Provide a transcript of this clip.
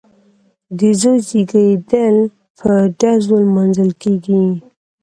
د زوی زیږیدل په ډزو لمانځل کیږي.